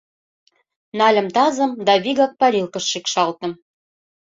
Нальым тазым да вигак парилкыш шикшалтым.